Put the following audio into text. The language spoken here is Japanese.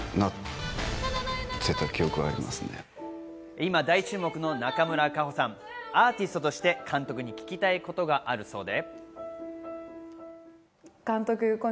今大注目の中村佳穂さん、アーティストとして監督に聞きたいことがあるそうで。